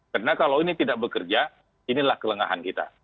karena kalau ini tidak bekerja inilah kelengahan kita